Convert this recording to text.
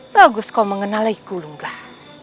bagus kau mengenaliku lunggah